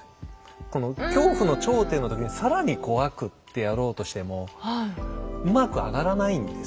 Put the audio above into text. この恐怖の頂点の時に更に怖くってやろうとしてもうまく上がらないんですよね。